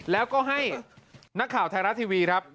แล้วก็ให้นักข่าวไทรัสทีวี